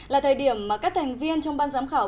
là thời điểm mà các thành viên trong ban giám khảo